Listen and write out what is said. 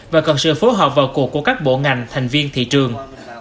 và cần sự phối hợp vào cuộc của các bộ ngành thành viên thị trường